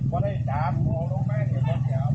ก็ได้จับผมลงไปที่ตัวแถว